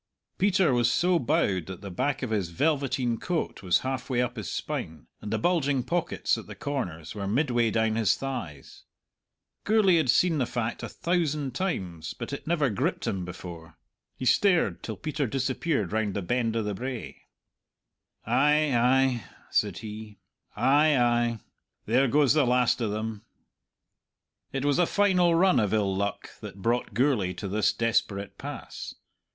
Peter was so bowed that the back of his velveteen coat was halfway up his spine, and the bulging pockets at the corners were midway down his thighs. Gourlay had seen the fact a thousand times, but it never gripped him before. He stared till Peter disappeared round the Bend o' the Brae. "Ay, ay," said he, "ay, ay. There goes the last o' them." It was a final run of ill luck that brought Gourlay to this desperate pass.